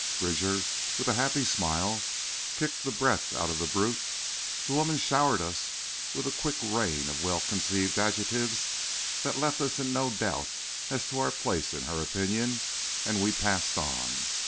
Bridger, with a happy smile, kicked the breath out of the brute; the woman showered us with a quick rain of well conceived adjectives that left us in no doubt as to our place in her opinion, and we passed on.